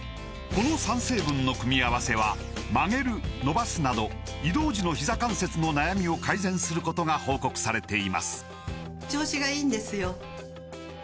この３成分の組み合わせは曲げる伸ばすなど移動時のひざ関節の悩みを改善することが報告されています